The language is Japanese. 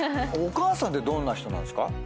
お母さんってどんな人なんすか？